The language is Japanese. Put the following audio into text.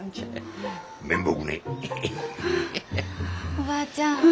おばあちゃん